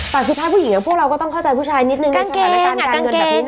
แต่สุดท้ายผู้หญิงแล้วพวกเราก็ต้องเข้าใจผู้ชายนิดนึงในสถานการณ์การเงินแบบนี้นะ